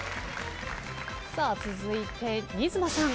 さあ続いて新妻さん。